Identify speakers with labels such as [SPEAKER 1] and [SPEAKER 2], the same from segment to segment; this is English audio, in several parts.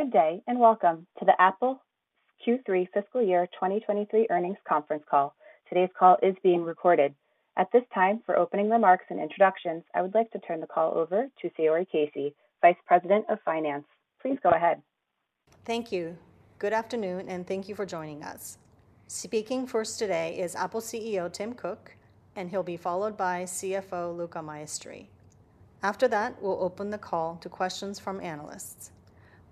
[SPEAKER 1] Good day, and welcome to the Apple Q3 Fiscal Year 2023 Earnings Conference Call. Today's call is being recorded. At this time, for opening remarks and introductions, I would like to turn the call over to Saori Casey, Vice President of Finance. Please go ahead.
[SPEAKER 2] Thank you. Good afternoon, and thank you for joining us. Speaking first today is Apple CEO, Tim Cook, and he'll be followed by CFO, Luca Maestri. After that, we'll open the call to questions from analysts.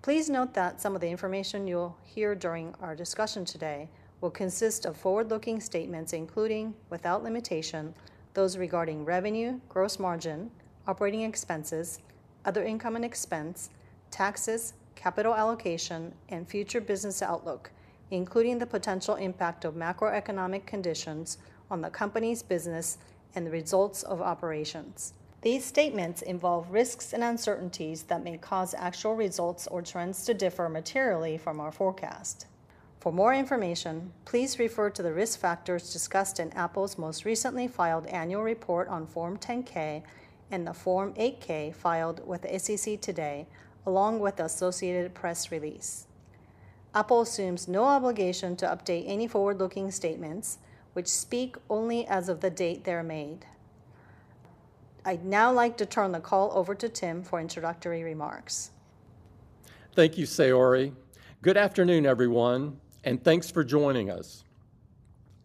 [SPEAKER 2] Please note that some of the information you'll hear during our discussion today will consist of forward-looking statements, including, without limitation, those regarding revenue, gross margin, operating expenses, other income and expense, taxes, capital allocation, and future business outlook, including the potential impact of macroeconomic conditions on the company's business and the results of operations. These statements involve risks and uncertainties that may cause actual results or trends to differ materially from our forecast. For more information, please refer to the risk factors discussed in Apple's most recently filed annual report on Form 10-K and the Form 8-K filed with the SEC today, along with the associated press release. Apple assumes no obligation to update any forward-looking statements, which speak only as of the date they're made. I'd now like to turn the call over to Tim for introductory remarks.
[SPEAKER 3] Thank you, Saori. Good afternoon, everyone, and thanks for joining us.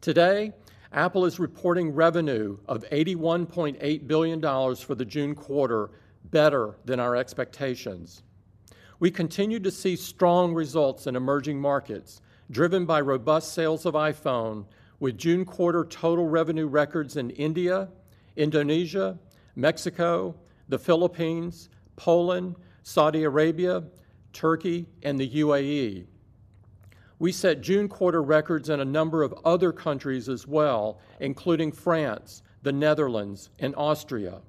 [SPEAKER 3] Today, Apple is reporting revenue of $81.8 billion for the June quarter, better than our expectations. We continue to see strong results in emerging markets, driven by robust sales of iPhone, with June quarter total revenue records in India, Indonesia, Mexico, the Philippines, Poland, Saudi Arabia, Turkey, and the UAE. We set June quarter records in a number of other countries as well, including France, the Netherlands, and Austria.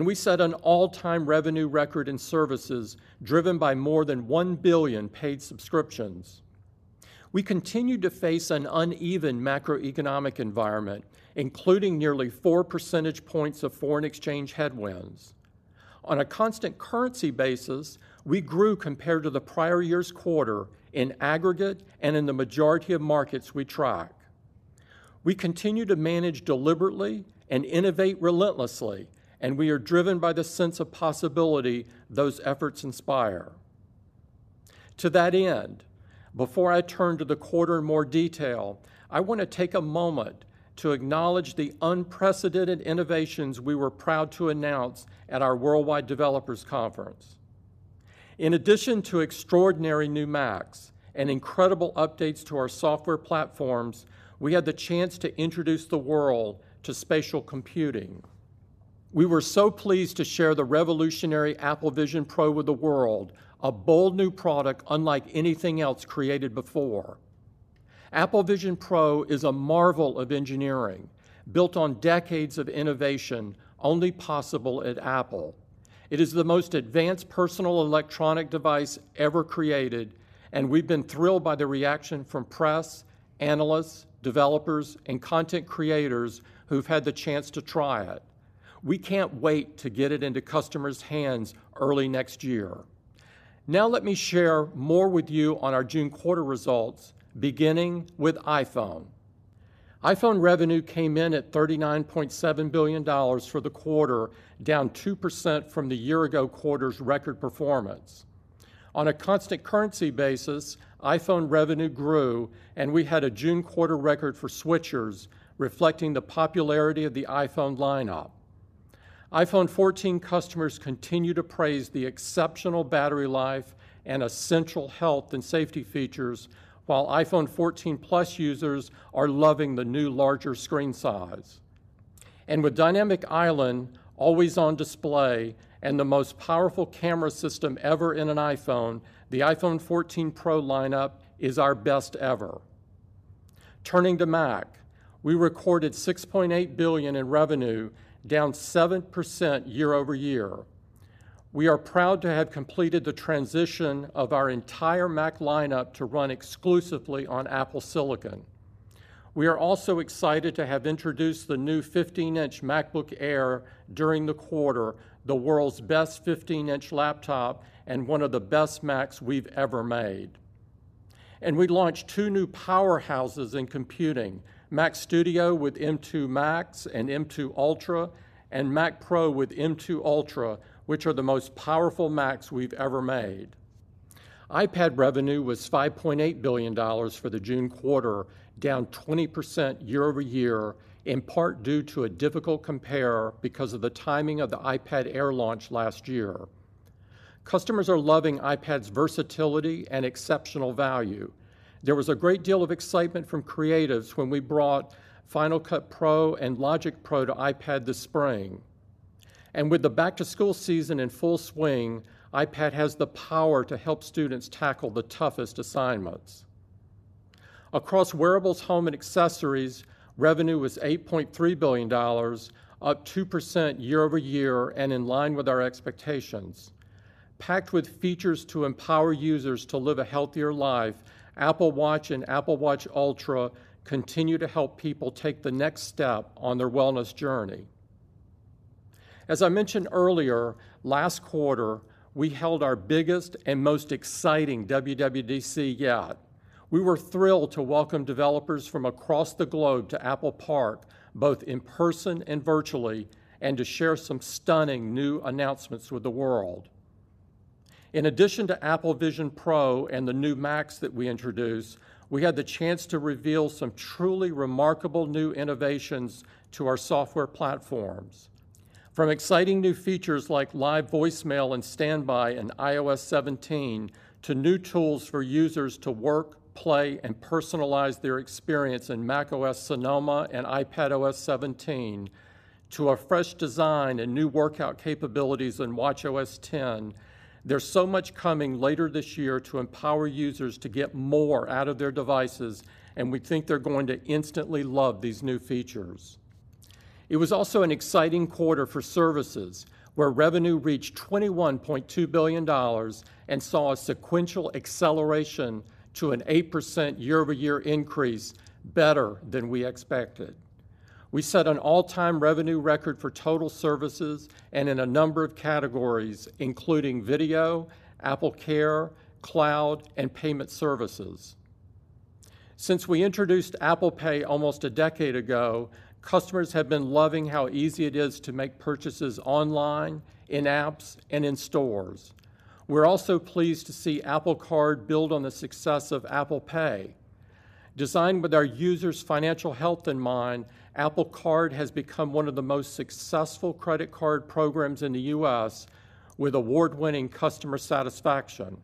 [SPEAKER 3] We set an all-time revenue record in services, driven by more than one billion paid subscriptions. We continued to face an uneven macroeconomic environment, including nearly 4 percentage points of foreign exchange headwinds. On a constant currency basis, we grew compared to the prior year's quarter in aggregate and in the majority of markets we track. We continue to manage deliberately and innovate relentlessly, we are driven by the sense of possibility those efforts inspire. To that end, before I turn to the quarter in more detail, I want to take a moment to acknowledge the unprecedented innovations we were proud to announce at our Worldwide Developers Conference. In addition to extraordinary new Macs and incredible updates to our software platforms, we had the chance to introduce the world to spatial computing. We were so pleased to share the revolutionary Apple Vision Pro with the world, a bold new product unlike anything else created before. Apple Vision Pro is a marvel of engineering, built on decades of innovation only possible at Apple. It is the most advanced personal electronic device ever created, we've been thrilled by the reaction from press, analysts, developers, and content creators who've had the chance to try it. We can't wait to get it into customers' hands early next year. Now let me share more with you on our June quarter results, beginning with iPhone. iPhone revenue came in at $39.7 billion for the quarter, down 2% from the year-ago quarter's record performance. On a constant currency basis, iPhone revenue grew, and we had a June quarter record for switchers, reflecting the popularity of the iPhone lineup. iPhone 14 customers continue to praise the exceptional battery life and essential health and safety features, while iPhone 14 Plus users are loving the new, larger screen size. With Dynamic Island always on display and the most powerful camera system ever in an iPhone, the iPhone 14 Pro lineup is our best ever. Turning to Mac, we recorded $6.8 billion in revenue, down 7% year-over-year. We are proud to have completed the transition of our entire Mac lineup to run exclusively on Apple silicon. We are also excited to have introduced the new 15-inch MacBook Air during the quarter, the world's best 15-inch laptop and one of the best Macs we've ever made. We launched two new powerhouses in computing, Mac Studio with M2 Max and M2 Ultra, and Mac Pro with M2 Ultra, which are the most powerful Macs we've ever made. iPad revenue was $5.8 billion for the June quarter, down 20% year-over-year, in part due to a difficult compare because of the timing of the iPad Air launch last year. Customers are loving iPad's versatility and exceptional value. There was a great deal of excitement from creatives when we brought Final Cut Pro and Logic Pro to iPad this spring. With the back-to-school season in full swing, iPad has the power to help students tackle the toughest assignments. Across wearables, home, and accessories, revenue was $8.3 billion, up 2% year-over-year and in line with our expectations. Packed with features to empower users to live a healthier life, Apple Watch and Apple Watch Ultra continue to help people take the next step on their wellness journey. As I mentioned earlier, last quarter, we held our biggest and most exciting WWDC yet. We were thrilled to welcome developers from across the globe to Apple Park, both in person and virtually, and to share some stunning new announcements with the world. In addition to Apple Vision Pro and the new Macs that we introduced, we had the chance to reveal some truly remarkable new innovations to our software platforms. From exciting new features like Live Voicemail and StandBy in iOS 17, to new tools for users to work, play, and personalize their experience in macOS Sonoma and iPadOS 17, to a fresh design and new workout capabilities in watchOS 10, there's so much coming later this year to empower users to get more out of their devices, and we think they're going to instantly love these new features. It was also an exciting quarter for services, where revenue reached $21.2 billion and saw a sequential acceleration to an 8% year-over-year increase, better than we expected. We set an all-time revenue record for total services and in a number of categories, including video, AppleCare, cloud, and payment services. Since we introduced Apple Pay almost a decade ago, customers have been loving how easy it is to make purchases online, in apps, and in stores. We're also pleased to see Apple Card build on the success of Apple Pay. Designed with our users' financial health in mind, Apple Card has become one of the most successful credit card programs in the U.S., with award-winning customer satisfaction.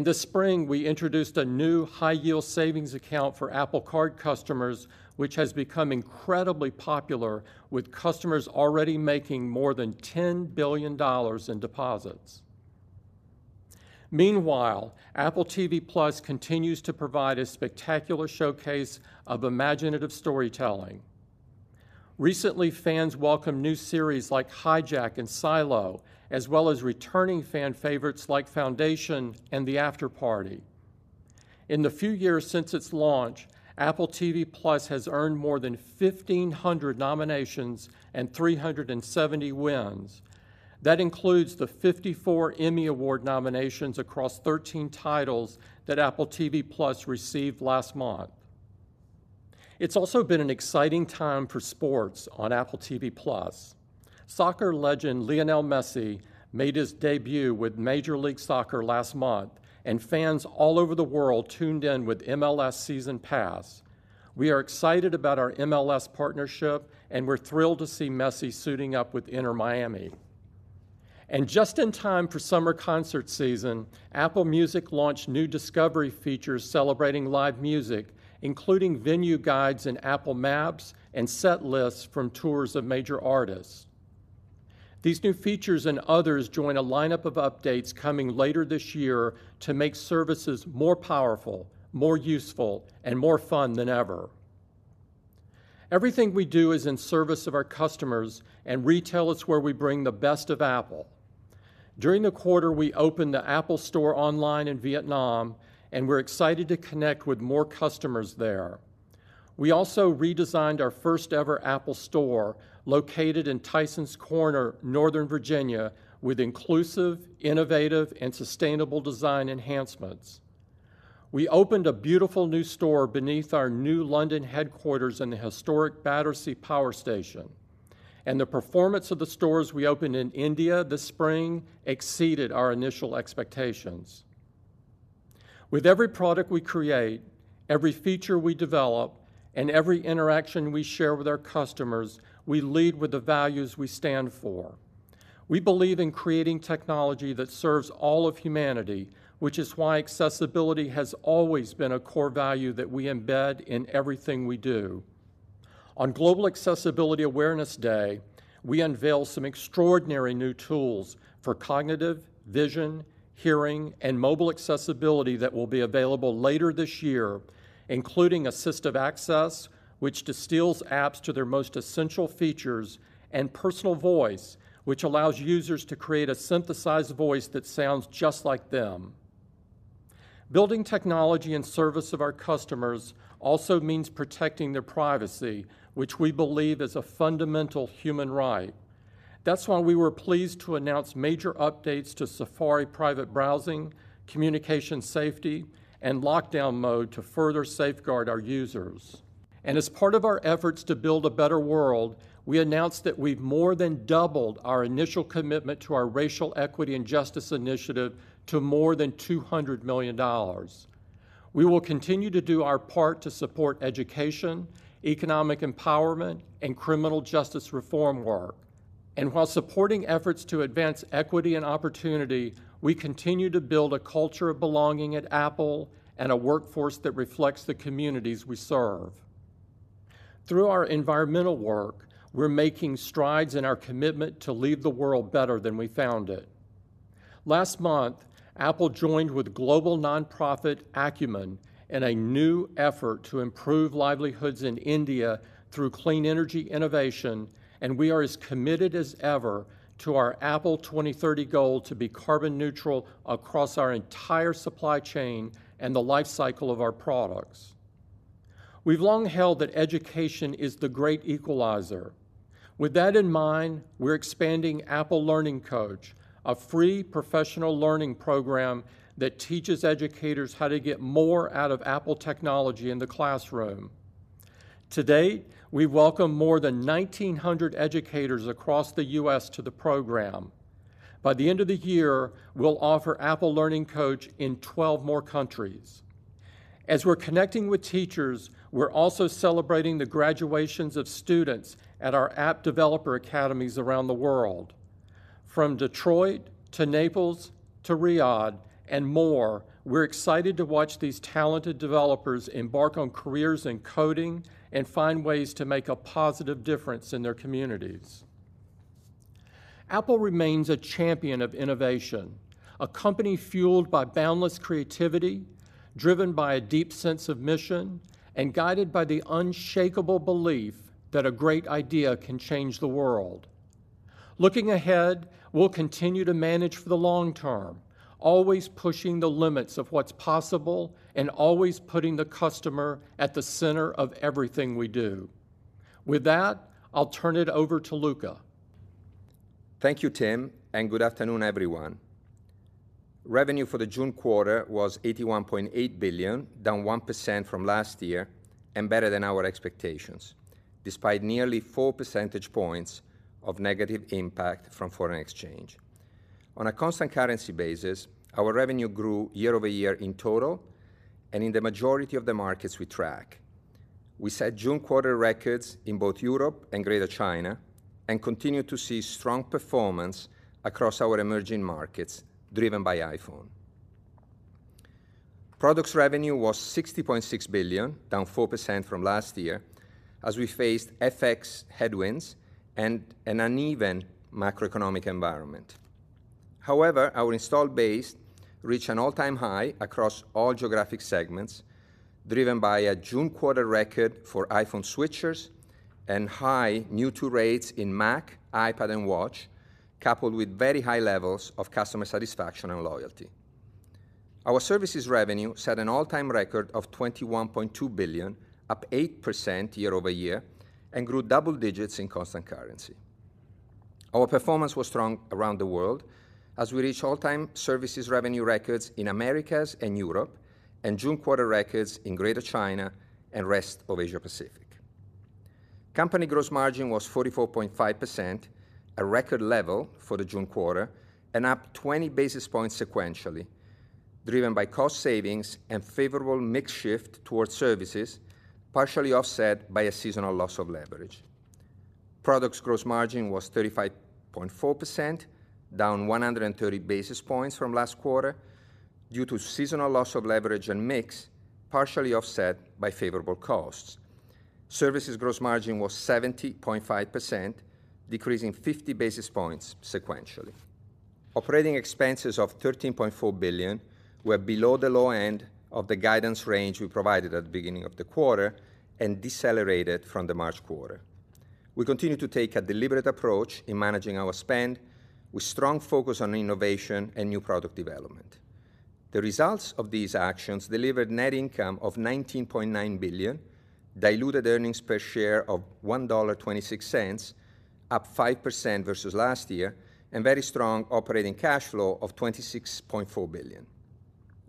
[SPEAKER 3] This spring, we introduced a new high-yield savings account for Apple Card customers, which has become incredibly popular, with customers already making more than $10 billion in deposits. Meanwhile, Apple TV+ continues to provide a spectacular showcase of imaginative storytelling. Recently, fans welcomed new series like Hijack and Silo, as well as returning fan favorites like Foundation and The Afterparty. In the few years since its launch, Apple TV+ has earned more than 1,500 nominations and 370 wins. That includes the 54 Emmy Award nominations across 13 titles that Apple TV+ received last month. It's also been an exciting time for sports on Apple TV+. Soccer legend Lionel Messi made his debut with Major League Soccer last month, and fans all over the world tuned in with MLS Season Pass. We are excited about our MLS partnership, and we're thrilled to see Messi suiting up with Inter Miami. Just in time for summer concert season, Apple Music launched new discovery features celebrating live music, including venue guides in Apple Maps and set lists from tours of major artists. These new features and others join a lineup of updates coming later this year to make services more powerful, more useful, and more fun than ever. Everything we do is in service of our customers, and retail is where we bring the best of Apple. During the quarter, we opened the Apple Store online in Vietnam, and we're excited to connect with more customers there. We also redesigned our first-ever Apple Store, located in Tysons Corner, Northern Virginia, with inclusive, innovative, and sustainable design enhancements. We opened a beautiful new store beneath our new London headquarters in the historic Battersea Power Station. The performance of the stores we opened in India this spring exceeded our initial expectations. With every product we create, every feature we develop, and every interaction we share with our customers, we lead with the values we stand for. We believe in creating technology that serves all of humanity, which is why accessibility has always been a core value that we embed in everything we do. On Global Accessibility Awareness Day, we unveiled some extraordinary new tools for cognitive, vision, hearing, and mobile accessibility that will be available later this year, including Assistive Access, which distills apps to their most essential features, and Personal Voice, which allows users to create a synthesized voice that sounds just like them. Building technology in service of our customers also means protecting their privacy, which we believe is a fundamental human right. That's why we were pleased to announce major updates to Safari Private Browsing, Communication Safety, and Lockdown Mode to further safeguard our users. As part of our efforts to build a better world, we announced that we've more than doubled our initial commitment to our Racial Equity and Justice Initiative to more than $200 million. We will continue to do our part to support education, economic empowerment, and criminal justice reform work. While supporting efforts to advance equity and opportunity, we continue to build a culture of belonging at Apple and a workforce that reflects the communities we serve. Through our environmental work, we're making strides in our commitment to leave the world better than we found it. Last month, Apple joined with global nonprofit Acumen in a new effort to improve livelihoods in India through clean energy innovation, and we are as committed as ever to our Apple 2030 goal to be carbon neutral across our entire supply chain and the life cycle of our products. We've long held that education is the great equalizer. With that in mind, we're expanding Apple Learning Coach, a free professional learning program that teaches educators how to get more out of Apple technology in the classroom. To date, we've welcomed more than 1,900 educators across the US to the program. By the end of the year, we'll offer Apple Learning Coach in 12 more countries. As we're connecting with teachers, we're also celebrating the graduations of students at our app developer academies around the world. From Detroit to Naples to Riyadh and more, we're excited to watch these talented developers embark on careers in coding and find ways to make a positive difference in their communities. Apple remains a champion of innovation, a company fueled by boundless creativity, driven by a deep sense of mission, and guided by the unshakable belief that a great idea can change the world. Looking ahead, we'll continue to manage for the long term, always pushing the limits of what's possible and always putting the customer at the center of everything we do. With that, I'll turn it over to Luca.
[SPEAKER 4] Thank you, Tim. Good afternoon, everyone. Revenue for the June quarter was $81.8 billion, down 1% from last year and better than our expectations, despite nearly 4 percentage points of negative impact from foreign exchange. On a constant currency basis, our revenue grew year-over-year in total and in the majority of the markets we track. We set June quarter records in both Europe and Greater China and continued to see strong performance across our emerging markets, driven by iPhone. Products revenue was $60.6 billion, down 4% from last year, as we faced FX headwinds and an uneven macroeconomic environment. However, our installed base reached an all-time high across all geographic segments, driven by a June quarter record for iPhone switchers and high new-to rates in Mac, iPad, and Watch, coupled with very high levels of customer satisfaction and loyalty. Our services revenue set an all-time record of $21.2 billion, up 8% year-over-year, and grew double digits in constant currency. Our performance was strong around the world as we reached all-time services revenue records in Americas and Europe and June quarter records in Greater China and rest of Asia Pacific. Company gross margin was 44.5%, a record level for the June quarter and up 20 basis points sequentially, driven by cost savings and favorable mix shift towards services, partially offset by a seasonal loss of leverage. Products gross margin was 35.4%, down 130 basis points from last quarter due to seasonal loss of leverage and mix, partially offset by favorable costs. Services gross margin was 70.5%, decreasing 50 basis points sequentially. Operating expenses of $13.4 billion were below the low end of the guidance range we provided at the beginning of the quarter and decelerated from the March quarter. We continue to take a deliberate approach in managing our spend with strong focus on innovation and new product development. The results of these actions delivered net income of $19.9 billion, diluted earnings per share of $1.26, up 5% versus last year, and very strong operating cash flow of $26.4 billion.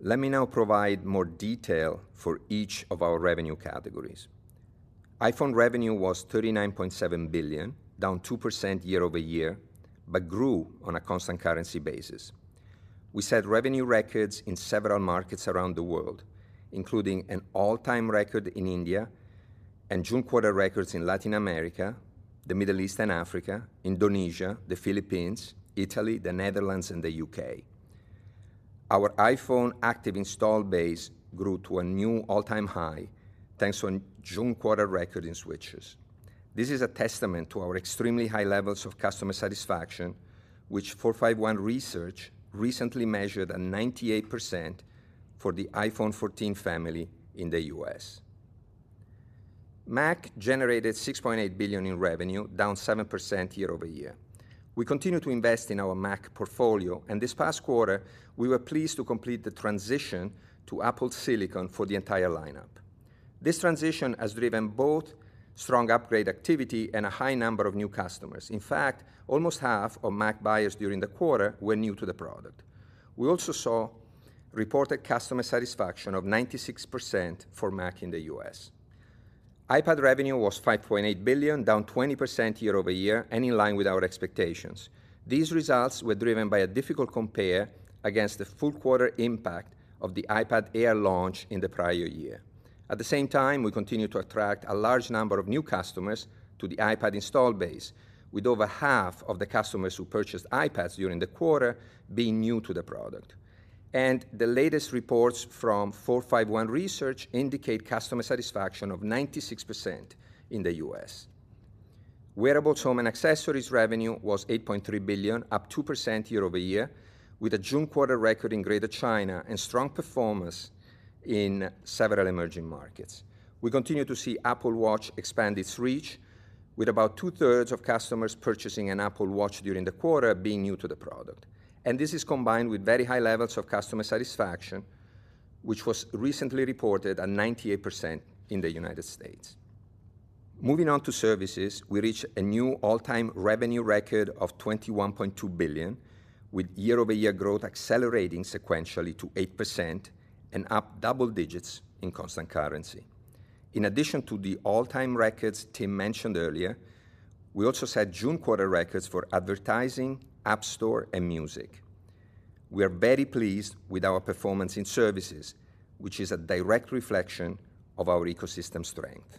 [SPEAKER 4] Let me now provide more detail for each of our revenue categories. iPhone revenue was $39.7 billion, down 2% year-over-year, but grew on a constant currency basis. We set revenue records in several markets around the world, including an all-time record in India and June quarter records in Latin America, the Middle East and Africa, Indonesia, the Philippines, Italy, the Netherlands, and the U.K. Our iPhone active installed base grew to a new all-time high, thanks to a June quarter record in switchers. This is a testament to our extremely high levels of customer satisfaction, which 451 Research recently measured at 98% for the iPhone 14 family in the U.S. Mac generated $6.8 billion in revenue, down 7% year-over-year. We continue to invest in our Mac portfolio, and this past quarter, we were pleased to complete the transition to Apple silicon for the entire lineup. This transition has driven both strong upgrade activity and a high number of new customers. In fact, almost half of Mac buyers during the quarter were new to the product. We also saw reported customer satisfaction of 96% for Mac in the U.S. iPad revenue was $5.8 billion, down 20% year-over-year, in line with our expectations. These results were driven by a difficult compare against the full quarter impact of the iPad Air launch in the prior year. At the same time, we continue to attract a large number of new customers to the iPad installed base, with over half of the customers who purchased iPads during the quarter being new to the product. The latest reports from 451 Research indicate customer satisfaction of 96% in the U.S. Wearables, home, and accessories revenue was $8.3 billion, up 2% year-over-year, with a June quarter record in Greater China and strong performance in several emerging markets. We continue to see Apple Watch expand its reach, with about two-thirds of customers purchasing an Apple Watch during the quarter being new to the product. This is combined with very high levels of customer satisfaction, which was recently reported at 98% in the United States. Moving on to services, we reached a new all-time revenue record of $21.2 billion, with year-over-year growth accelerating sequentially to 8% and up double digits in constant currency. In addition to the all-time records Tim mentioned earlier, we also set June quarter records for advertising, App Store, and music. We are very pleased with our performance in services, which is a direct reflection of our ecosystem strength.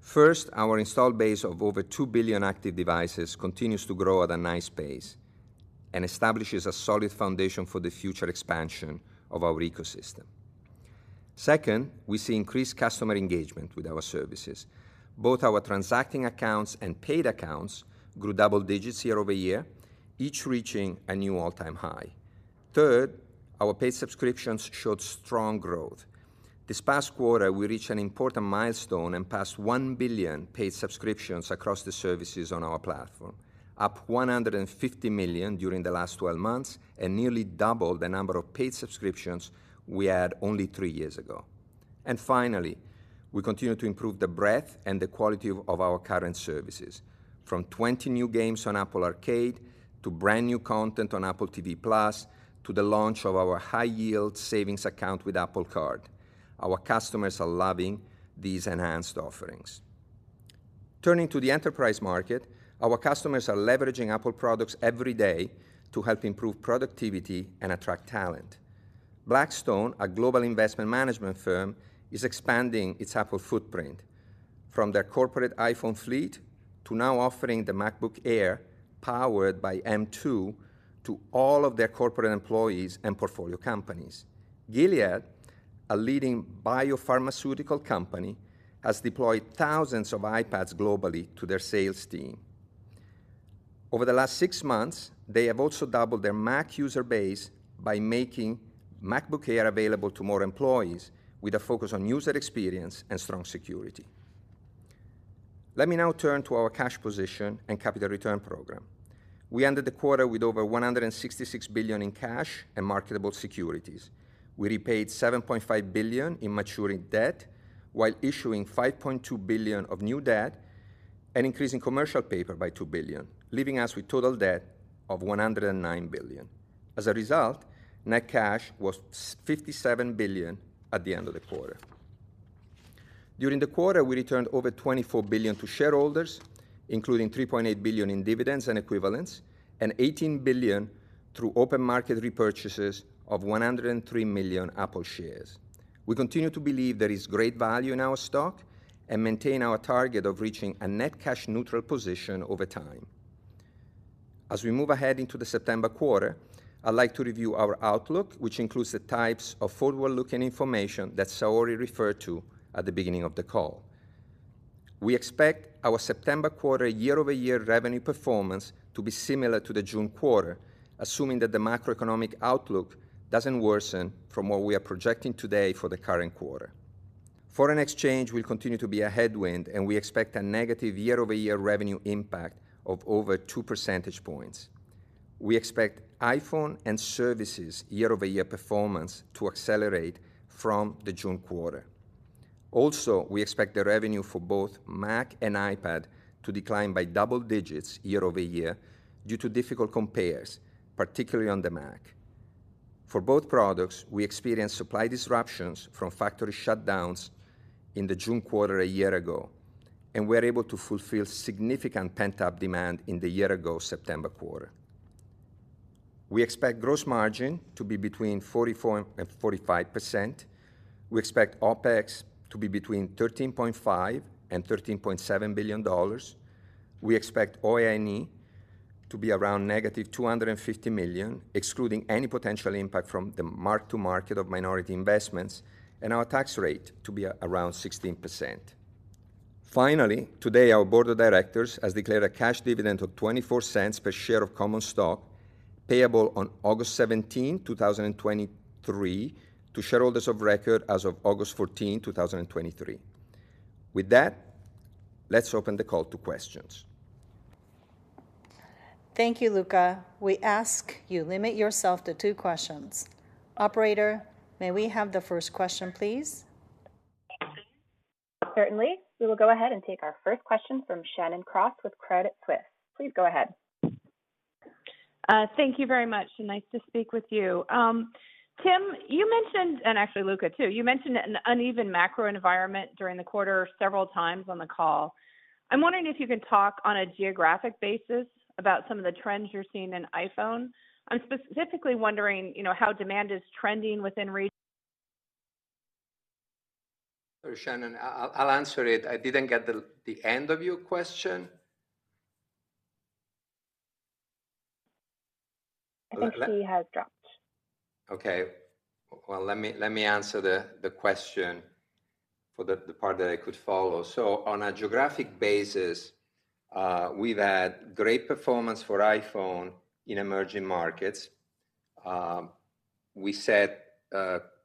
[SPEAKER 4] First, our installed base of over two billion active devices continues to grow at a nice pace and establishes a solid foundation for the future expansion of our ecosystem. Second, we see increased customer engagement with our services. Both our transacting accounts and paid accounts grew double digits year-over-year, each reaching a new all-time high. Third, our paid subscriptions showed strong growth. This past quarter, we reached an important milestone and passed one billion paid subscriptions across the services on our platform, up 150 million during the last 12 months, and nearly double the number of paid subscriptions we had only three years ago. Finally, we continue to improve the breadth and the quality of our current services. From 20 new games on Apple Arcade, to brand-new content on Apple TV+, to the launch of our high-yield savings account with Apple Card. Our customers are loving these enhanced offerings. Turning to the enterprise market, our customers are leveraging Apple products every day to help improve productivity and attract talent. Blackstone, a global investment management firm, is expanding its Apple footprint from their corporate iPhone fleet to now offering the MacBook Air, powered by M2, to all of their corporate employees and portfolio companies. Gilead, a leading biopharmaceutical company, has deployed thousands of iPads globally to their sales team. Over the last six months, they have also doubled their Mac user base by making MacBook Air available to more employees, with a focus on user experience and strong security. Let me now turn to our cash position and capital return program. We ended the quarter with over $166 billion in cash and marketable securities. We repaid $7.5 billion in maturing debt, while issuing $5.2 billion of new debt and increasing commercial paper by $2 billion, leaving us with total debt of $109 billion. As a result, net cash was $57 billion at the end of the quarter. During the quarter, we returned over $24 billion to shareholders, including $3.8 billion in dividends and equivalents, and $18 billion through open market repurchases of 103 million Apple shares. We continue to believe there is great value in our stock and maintain our target of reaching a net cash neutral position over time. As we move ahead into the September quarter, I'd like to review our outlook, which includes the types of forward-looking information that Saori referred to at the beginning of the call. We expect our September quarter year-over-year revenue performance to be similar to the June quarter, assuming that the macroeconomic outlook doesn't worsen from what we are projecting today for the current quarter. Foreign exchange will continue to be a headwind, and we expect a negative year-over-year revenue impact of over 2 percentage points. We expect iPhone and services year-over-year performance to accelerate from the June quarter. We expect the revenue for both Mac and iPad to decline by double digits year-over-year due to difficult compares, particularly on the Mac. For both products, we experienced supply disruptions from factory shutdowns in the June quarter a year ago, and we are able to fulfill significant pent-up demand in the year-ago September quarter. We expect gross margin to be between 44%-45%. We expect OpEx to be between $13.5 billion-$13.7 billion. We expect OIE to be around -$250 million, excluding any potential impact from the mark-to-market of minority investments, and our tax rate to be around 16%. Finally, today, our board of directors has declared a cash dividend of $0.24 per share of common stock, payable on August 17th, 2023, to shareholders of record as of August 14th, 2023. With that, let's open the call to questions.
[SPEAKER 2] Thank you, Luca. We ask you, limit yourself to two questions. Operator, may we have the first question, please?
[SPEAKER 1] Certainly. We will go ahead and take our first question from Shannon Cross with Credit Suisse. Please go ahead.
[SPEAKER 5] Thank you very much, and nice to speak with you. Tim, you mentioned, and actually Luca, too, you mentioned an uneven macro environment during the quarter several times on the call. I'm wondering if you can talk on a geographic basis about some of the trends you're seeing in iPhone. I'm specifically wondering, you know, how demand is trending within re-
[SPEAKER 4] Sorry, Shannon, I'll answer it. I didn't get the, the end of your question.
[SPEAKER 1] I think she has dropped.
[SPEAKER 4] Okay, well, let me, let me answer the, the question for the, the part that I could follow. On a geographic basis, we've had great performance for iPhone in emerging markets. We set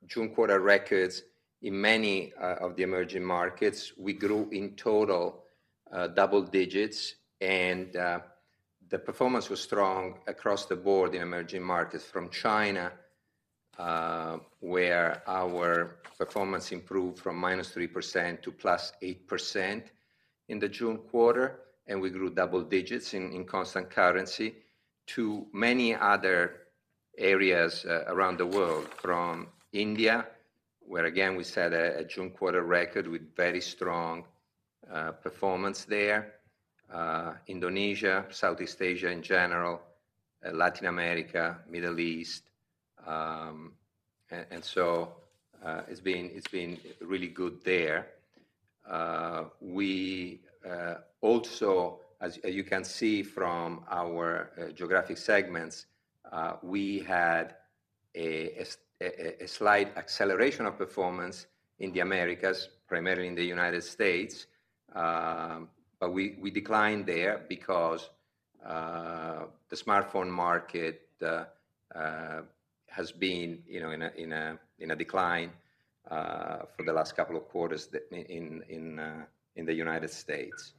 [SPEAKER 4] June quarter records in many of the emerging markets. We grew in total, double digits, and the performance was strong across the board in emerging markets from China, where our performance improved from -3% to +8% in the June quarter, and we grew double digits in constant currency, to many other areas around the world. From India, where again, we set a June quarter record with very strong performance there. Indonesia, Southeast Asia in general, Latin America, Middle East. It's been really good there. We also, as, as you can see from our geographic segments, we had a slight acceleration of performance in the Americas, primarily in the United States. We declined there because the smartphone market has been, you know, in a decline for the last couple of quarters in the United States.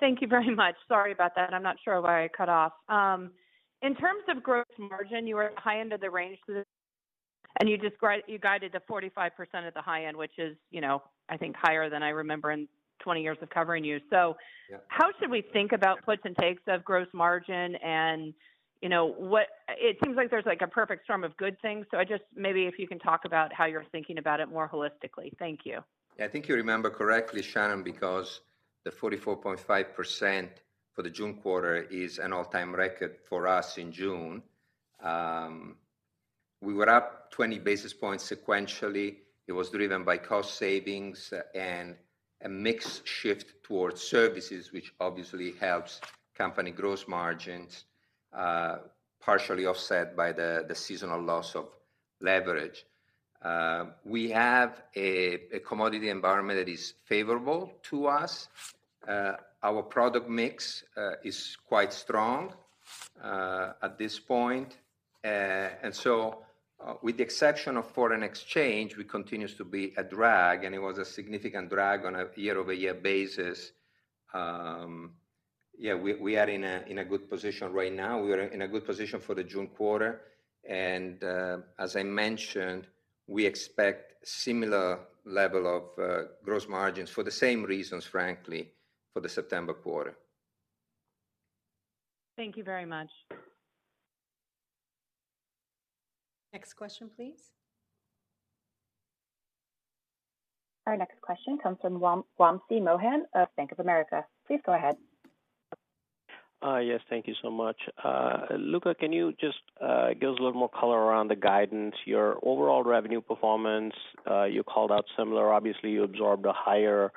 [SPEAKER 5] Thank you very much. Sorry about that. I'm not sure why I cut off. In terms of gross margin, you were at the high end of the range for this, and you guided to 45% at the high end, which is, you know, I think higher than I remember in 20 years of covering you.
[SPEAKER 4] Yeah.
[SPEAKER 5] How should we think about puts and takes of gross margin and, you know, what. It seems like there's, like, a perfect storm of good things. I just maybe if you can talk about how you're thinking about it more holistically. Thank you.
[SPEAKER 4] Yeah, I think you remember correctly, Shannon, because the 44.5% for the June quarter is an all-time record for us in June. We were up 20 basis points sequentially. It was driven by cost savings and a mix shift towards services, which obviously helps company gross margins, partially offset by the seasonal loss of leverage. We have a commodity environment that is favorable to us. Our product mix is quite strong at this point. So, with the exception of foreign exchange, which continues to be a drag, and it was a significant drag on a year-over-year basis, Yeah, we are in a good position right now. We are in a good position for the June quarter, and as I mentioned, we expect similar level of gross margins for the same reasons, frankly, for the September quarter.
[SPEAKER 5] Thank you very much.
[SPEAKER 6] Next question, please.
[SPEAKER 1] Our next question comes from Wamsi Mohan of Bank of America. Please go ahead.
[SPEAKER 7] Yes, thank you so much. Luca, can you just give us a little more color around the guidance, your overall revenue performance? You called out similar. Obviously, you absorbed a higher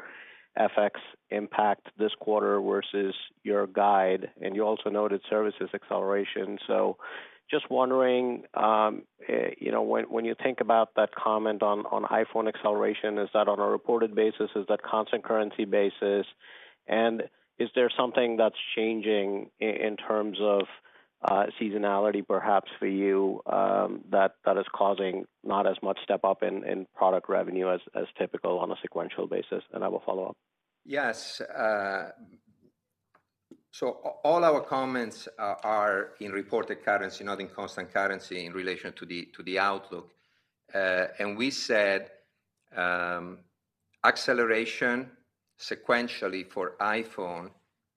[SPEAKER 7] FX impact this quarter versus your guide, and you also noted services acceleration. Just wondering, you know, when you think about that comment on iPhone acceleration, is that on a reported basis, is that constant currency basis? Is there something that's changing in terms of seasonality, perhaps, for you, that is causing not as much step-up in product revenue as typical on a sequential basis? I will follow up.
[SPEAKER 4] Yes, all our comments are in reported currency, not in constant currency, in relation to the outlook. We said acceleration sequentially for iPhone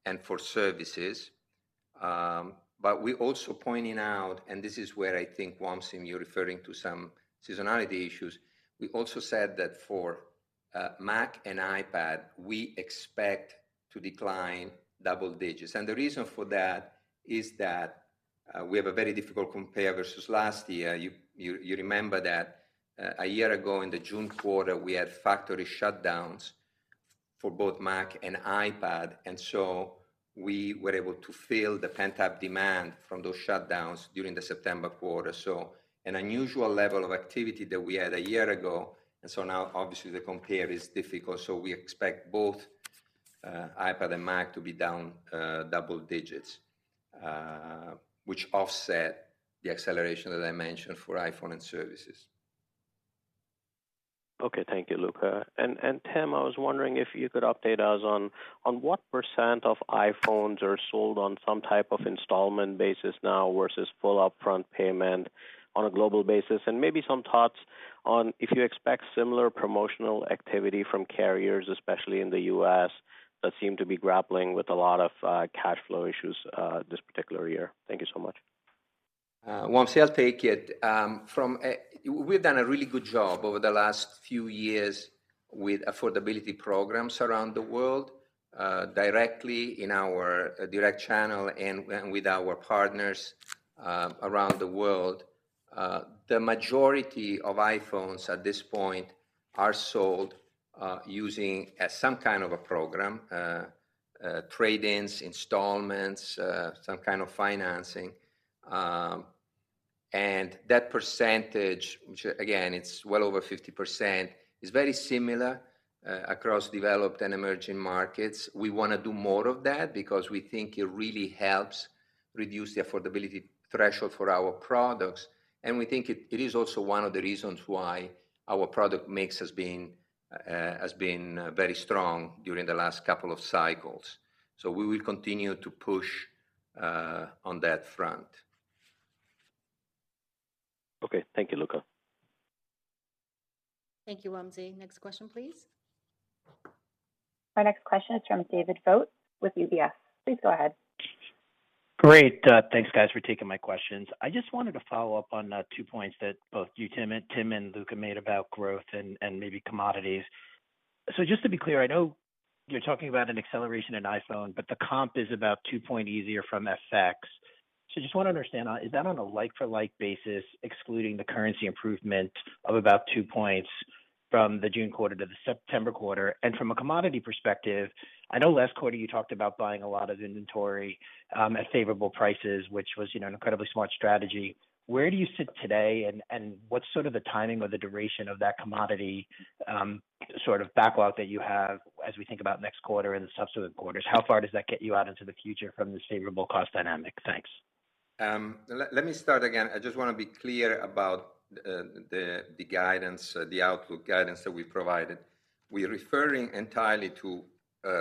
[SPEAKER 4] and for services, but we're also pointing out, and this is where I think, Wamsi, you're referring to some seasonality issues, we also said that for Mac and iPad, we expect to decline double digits. The reason for that is that we have a very difficult compare versus last year. You, you, you remember that a year ago in the June quarter, we had factory shutdowns for both Mac and iPad, we were able to fill the pent-up demand from those shutdowns during the September quarter. An unusual level of activity that we had a year ago, now obviously the compare is difficult. We expect both iPad and Mac to be down double-digits, which offset the acceleration that I mentioned for iPhone and services.
[SPEAKER 7] Okay. Thank you, Luca. Tim, I was wondering if you could update us on what percent of iPhones are sold on some type of installment basis now versus full upfront payment on a global basis, and maybe some thoughts on if you expect similar promotional activity from carriers, especially in the U.S., that seem to be grappling with a lot of cash flow issues this particular year. Thank you so much.
[SPEAKER 4] Wamsi, I'll take it. From a... We've done a really good job over the last few years with affordability programs around the world, directly in our direct channel and, and with our partners, around the world. The majority of iPhone at this point are sold, using, some kind of a program, trade-ins, installments, some kind of financing. And that percentage, which again, it's well over 50%, is very similar, across developed and emerging markets. We want to do more of that because we think it really helps reduce the affordability threshold for our products, and we think it, it is also one of the reasons why our product mix has been very strong during the last couple of cycles. We will continue to push, on that front.
[SPEAKER 7] Okay. Thank you, Luca.
[SPEAKER 6] Thank you, Wamsi. Next question, please.
[SPEAKER 1] Our next question is from David Vogt with UBS. Please go ahead.
[SPEAKER 8] Great. Thanks, guys, for taking my questions. I just wanted to follow up on two points that both you, Tim and Luca made about growth and maybe commodities. Just to be clear, I know you're talking about an acceleration in iPhone, but the comp is about two point easier from FX. I just wanna understand, is that on a like-for-like basis, excluding the currency improvement of about two points from the June quarter to the September quarter? From a commodity perspective, I know last quarter you talked about buying a lot of inventory at favorable prices, which was, you know, an incredibly smart strategy. Where do you sit today, and what's sort of the timing or the duration of that commodity sort of backlog that you have as we think about next quarter and the subsequent quarters? How far does that get you out into the future from this favorable cost dynamic? Thanks.
[SPEAKER 4] Let me start again. I just wanna be clear about the guidance, the outlook guidance that we provided. We're referring entirely to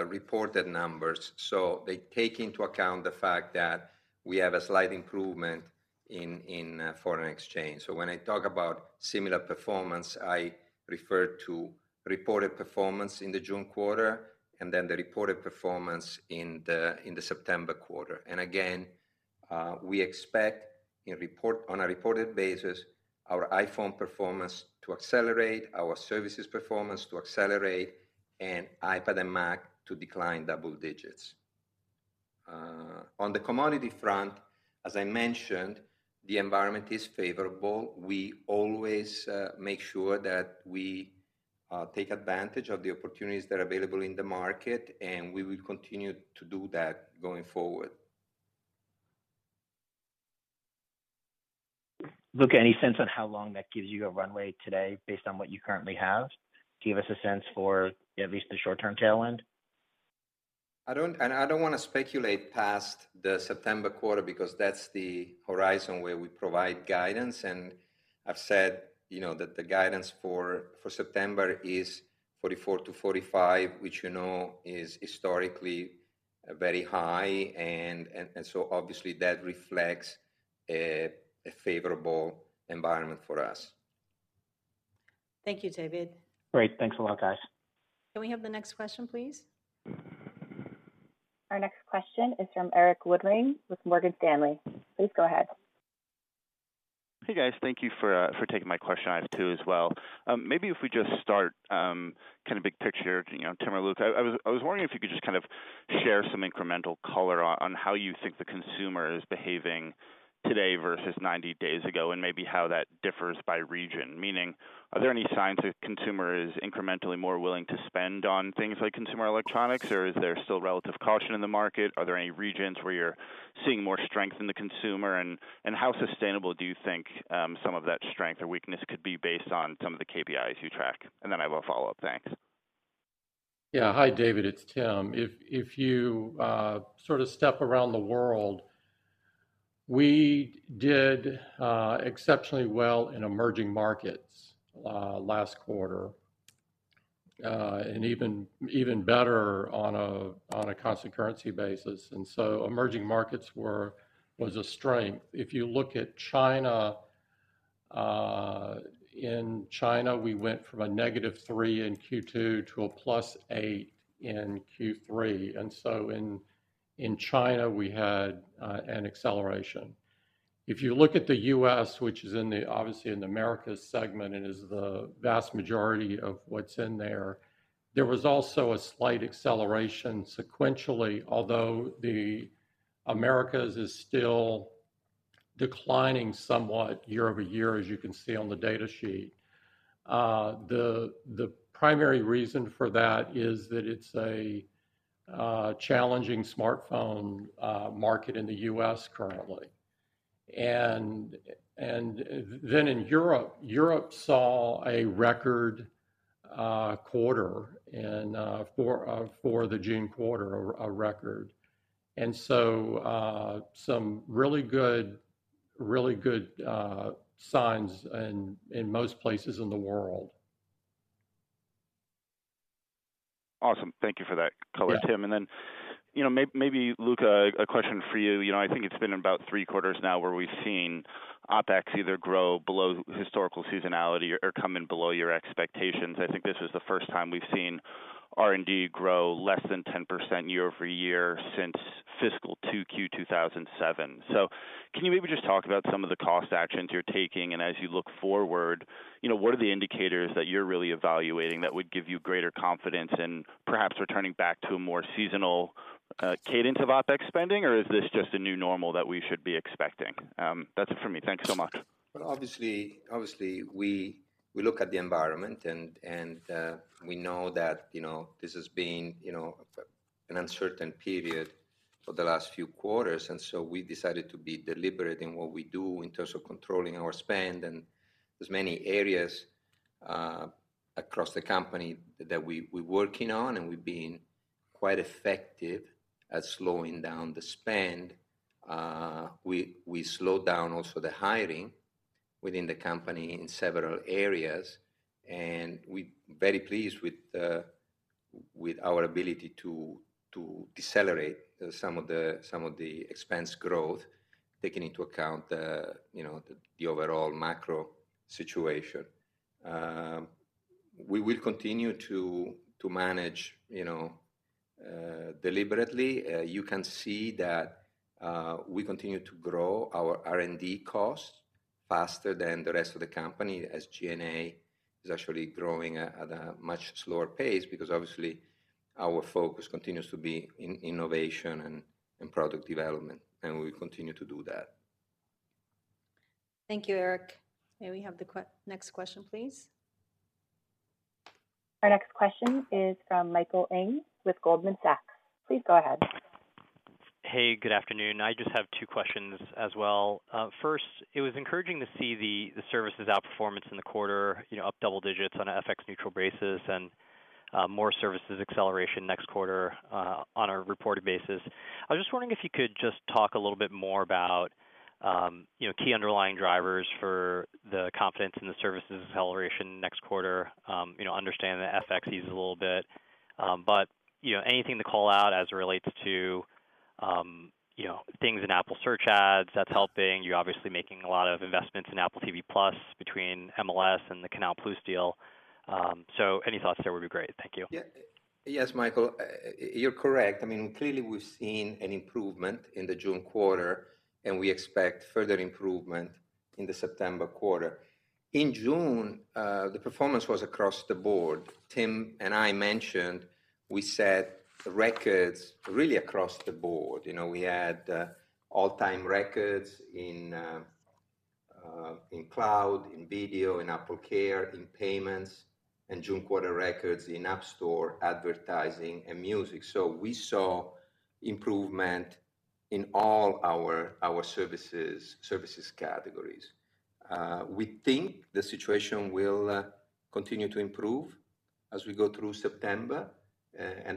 [SPEAKER 4] reported numbers, so they take into account the fact that we have a slight improvement in foreign exchange. When I talk about similar performance, I refer to reported performance in the June quarter and then the reported performance in the September quarter. Again, we expect on a reported basis, our iPhone performance to accelerate, our services performance to accelerate, and iPad and Mac to decline double digits. On the commodity front, as I mentioned, the environment is favorable. We always make sure that we take advantage of the opportunities that are available in the market, and we will continue to do that going forward.
[SPEAKER 8] Luca, any sense on how long that gives you a runway today based on what you currently have? Give us a sense for at least the short-term tail end.
[SPEAKER 4] I don't want to speculate past the September quarter because that's the horizon where we provide guidance, and I've said, you know, that the guidance for September is $44 to $45, which you know is historically very high, obviously that reflects a favorable environment for us.
[SPEAKER 6] Thank you, David.
[SPEAKER 8] Great. Thanks a lot, guys.
[SPEAKER 6] Can we have the next question, please?
[SPEAKER 1] Our next question is from Erik Woodring with Morgan Stanley. Please go ahead.
[SPEAKER 9] Hey, guys. Thank you for for taking my question. I have two as well. Maybe if we just start kind of big picture, you know, Tim or Luca, I was, I was wondering if you could just kind of share some incremental color on, on how you think the consumer is behaving today versus 90 days ago, and maybe how that differs by region. Meaning, are there any signs that consumer is incrementally more willing to spend on things like consumer electronics, or is there still relative caution in the market? Are there any regions where you're seeing more strength in the consumer? How sustainable do you think some of that strength or weakness could be based on some of the KPIs you track? I have a follow-up. Thanks.
[SPEAKER 3] Yeah. Hi, David, it's Tim. If, if you sort of step around the world, we did exceptionally well in emerging markets last quarter, and even, even better on a, on a constant currency basis, and so emerging markets was a strength. If you look at China, in China, we went from a -3% in Q2 to a +8% in Q3, and so in, in China, we had an acceleration. If you look at the U.S., which is obviously in the Americas segment and is the vast majority of what's in there, there was also a slight acceleration sequentially, although the Americas is still declining somewhat year-over-year, as you can see on the data sheet. The, the primary reason for that is that it's a challenging smartphone market in the U.S. currently. In Europe, Europe saw a record quarter for the June quarter, a record. Some really good, really good signs in most places in the world.
[SPEAKER 9] Awesome. Thank you for that color, Tim.
[SPEAKER 3] Yeah.
[SPEAKER 9] You know, maybe, Luca, a question for you. You know, I think it's been about three quarters now where we've seen OpEx either grow below historical seasonality or come in below your expectations. I think this is the first time we've seen R&D grow less than 10% year-over-year since fiscal 2Q 2007. Can you maybe just talk about some of the cost actions you're taking, and as you look forward, you know, what are the indicators that you're really evaluating that would give you greater confidence in perhaps returning back to a more seasonal cadence of OpEx spending, or is this just a new normal that we should be expecting? That's it for me. Thank you so much.
[SPEAKER 4] Well, obviously, obviously, we, we look at the environment and, and we know that, you know, this has been, you know, an uncertain period for the last few quarters, and so we decided to be deliberate in what we do in terms of controlling our spend. And there's many areas across the company that we, we working on, and we've been quite effective at slowing down the spend. We, we slowed down also the hiring within the company in several areas, and we very pleased with the, with our ability to, to decelerate some of the, some of the expense growth, taking into account the, you know, the overall macro situation. We will continue to, to manage, you know, deliberately. You can see that, we continue to grow our R&D costs faster than the rest of the company, as G&A is actually growing at a much slower pace, because obviously our focus continues to be in innovation and product development, and we continue to do that.
[SPEAKER 6] Thank you, Erik. May we have the next question, please?
[SPEAKER 1] Our next question is from Michael Ng with Goldman Sachs. Please go ahead.
[SPEAKER 10] Hey, good afternoon. I just have two questions as well. First, it was encouraging to see the services outperformance in the quarter, you know, up double digits on a FX-neutral basis and more services acceleration next quarter on a reported basis. I was just wondering if you could just talk a little bit more about, you know, key underlying drivers for the confidence in the services acceleration next quarter. You know, understanding the FX ease a little bit, but, you know, anything to call out as it relates to, you know, things in Apple Search Ads that's helping. You're obviously making a lot of investments in Apple TV+ between MLS and the Canal+ deal. So any thoughts there would be great. Thank you.
[SPEAKER 4] Yeah. Yes, Michael, you're correct. I mean, clearly we've seen an improvement in the June quarter, and we expect further improvement in the September quarter. In June, the performance was across the board. Tim and I mentioned we set records really across the board. You know, we had, all-time records in Cloud, in Video, in AppleCare, in Payments, and June quarter records in App Store, Advertising, and Music. We saw improvement in all our, our services, services categories. We think the situation will continue to improve as we go through September.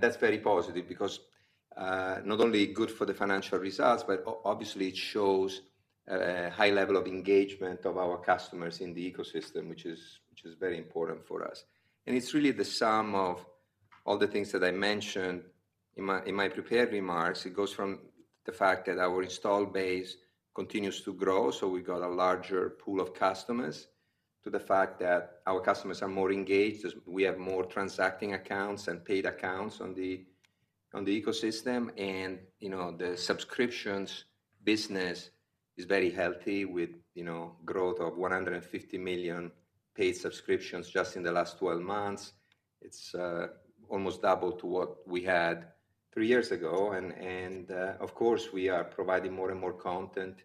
[SPEAKER 4] That's very positive because, not only good for the financial results, but obviously it shows, a high level of engagement of our customers in the ecosystem, which is, which is very important for us. It's really the sum of all the things that I mentioned in my, in my prepared remarks. It goes from the fact that our installed base continues to grow, so we've got a larger pool of customers, to the fact that our customers are more engaged, as we have more transacting accounts and paid accounts on the, on the ecosystem. You know, the subscriptions business is very healthy with, you know, growth of 150 million paid subscriptions just in the last 12 months. It's almost double to what we had three years ago. Of course, we are providing more and more content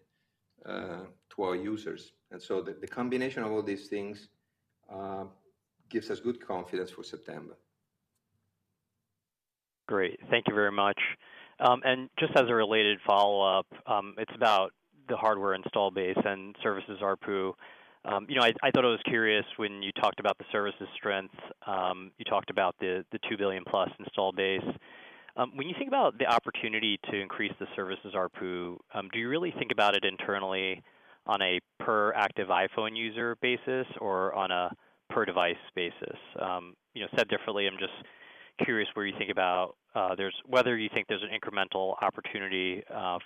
[SPEAKER 4] to our users. The combination of all these things gives us good confidence for September.
[SPEAKER 10] Great. Thank you very much. Just as a related follow-up, it's about the hardware install base and services ARPU. You know, I, I thought it was curious when you talked about the services strengths, you talked about the, the two billion plus install base. When you think about the opportunity to increase the services ARPU, do you really think about it internally on a per active iPhone user basis or on a per device basis? You know, said differently, I'm just curious where you think about, whether you think there's an incremental opportunity,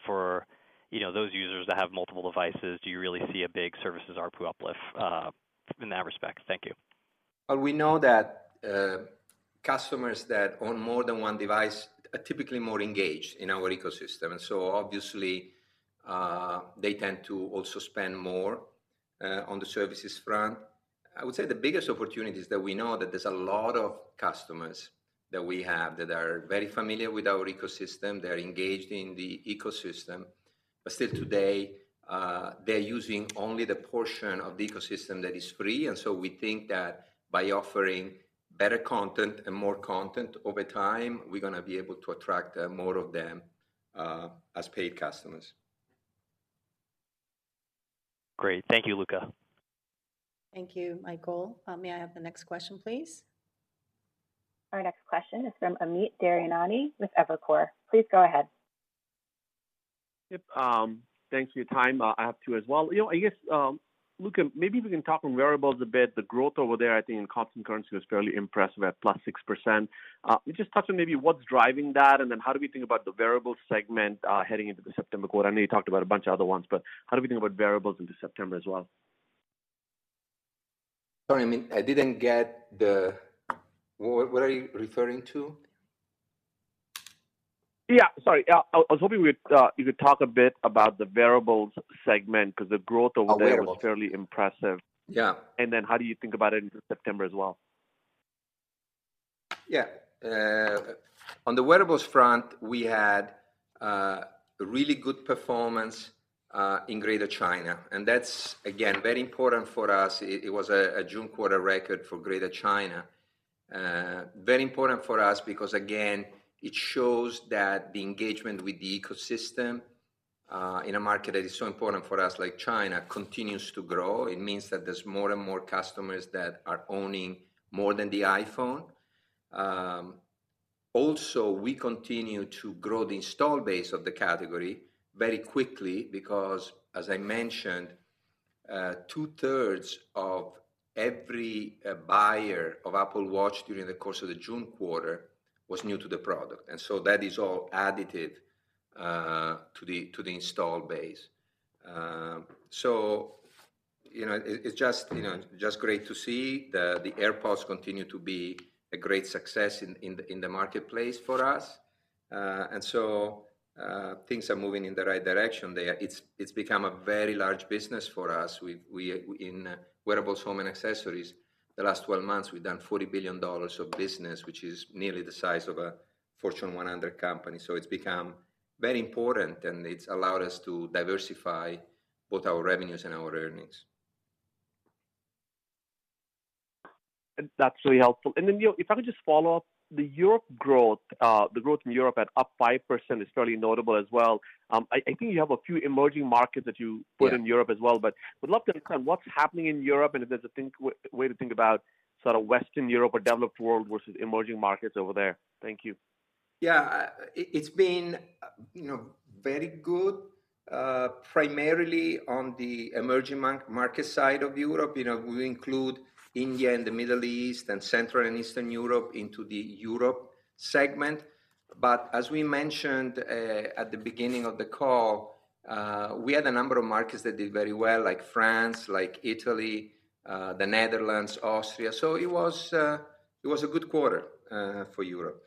[SPEAKER 10] for, you know, those users that have multiple devices, do you really see a big services ARPU uplift, in that respect? Thank you.
[SPEAKER 4] Well, we know that customers that own more than one device are typically more engaged in our ecosystem, and so obviously, they tend to also spend more on the services front. I would say the biggest opportunity is that we know that there's a lot of customers that we have that are very familiar with our ecosystem, they're engaged in the ecosystem, but still today, they're using only the portion of the ecosystem that is free. We think that by offering better content and more content over time, we're gonna be able to attract more of them as paid customers.
[SPEAKER 10] Great. Thank you, Luca.
[SPEAKER 6] Thank you, Michael. May I have the next question, please?
[SPEAKER 1] Our next question is from Amit Daryanani with Evercore. Please go ahead.
[SPEAKER 11] Yep, thanks for your time. I have two as well. You know, I guess, Luca, maybe we can talk on wearables a bit. The growth over there, I think in constant currency, was fairly impressive at +6%. Just touch on maybe what's driving that, and then how do we think about the wearables segment, heading into the September quarter? I know you talked about a bunch of other ones, but how do we think about wearables into September as well?
[SPEAKER 4] Sorry, Amit, I didn't get the... What, what are you referring to?
[SPEAKER 11] Yeah, sorry. I, I was hoping we would, you could talk a bit about the wearables segment, 'cause the growth over there-
[SPEAKER 4] Oh, wearables....
[SPEAKER 11] was fairly impressive.
[SPEAKER 4] Yeah.
[SPEAKER 11] Then how do you think about it into September as well?
[SPEAKER 4] Yeah. On the wearables front, we had really good performance in Greater China. That's, again, very important for us. It was a June quarter record for Greater China. Very important for us because, again, it shows that the engagement with the ecosystem in a market that is so important for us, like China, continues to grow. It means that there's more and more customers that are owning more than the iPhone. Also, we continue to grow the install base of the category very quickly because, as I mentioned, two-thirds of every buyer of Apple Watch during the course of the June quarter was new to the product. That is all additive to the install base. You know, it's just, you know, just great to see. The AirPods continue to be a great success in, in the, in the marketplace for us. Things are moving in the right direction there. It's become a very large business for us. We, in wearables, home, and accessories, the last 12 months, we've done $40 billion of business, which is nearly the size of a Fortune 100 company. It's become very important, and it's allowed us to diversify both our revenues and our earnings.
[SPEAKER 11] That's really helpful. You know, if I could just follow up, the Europe growth, the growth in Europe at up 5% is fairly notable as well. I, I think you have a few emerging markets that you-
[SPEAKER 4] Yes....
[SPEAKER 11] put in Europe as well, but I would love to understand what's happening in Europe and if there's a thing way, way to think about sort of Western Europe or developed world versus emerging markets over there. Thank you.
[SPEAKER 4] Yeah, it's been, you know, very good, primarily on the emerging market side of Europe. You know, we include India and the Middle East and Central and Eastern Europe into the Europe segment. As we mentioned, at the beginning of the call, we had a number of markets that did very well, like France, like Italy, the Netherlands, Austria. It was, it was a good quarter, for Europe.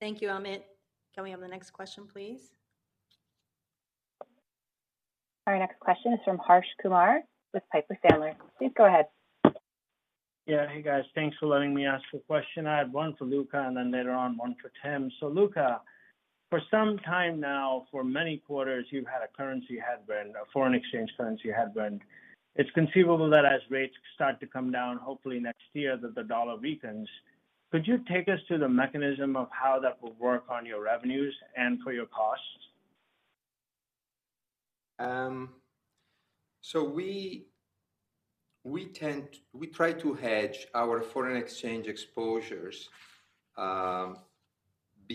[SPEAKER 6] Thank you, Amit. Can we have the next question, please?
[SPEAKER 1] Our next question is from Harsh Kumar with Piper Sandler. Please go ahead.
[SPEAKER 12] Yeah. Hey, guys. Thanks for letting me ask a question. I had one for Luca and then later on, one for Tim. Luca, for some time now, for many quarters, you've had a currency headwind, a foreign exchange currency headwind. It's conceivable that as rates start to come down, hopefully next year, that the dollar weakens. Could you take us through the mechanism of how that will work on your revenues and for your costs?
[SPEAKER 4] So we, we tend-- we try to hedge our foreign exchange exposures,